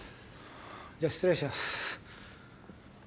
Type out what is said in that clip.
じゃあ失礼します。